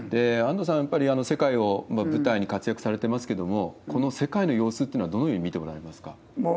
安藤さん、やっぱり世界を舞台に活躍されてますけど、この世界の様子っていうのはどのように見ておられますか。